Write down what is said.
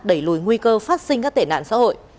đẩy lùi nguy cơ phát sinh các tệ nạn xã hội